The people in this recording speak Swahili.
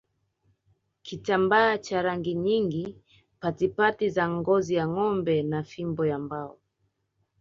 Kitambaa cha rangi nyingi patipati za ngozi ya ngombe na fimbo ya mbao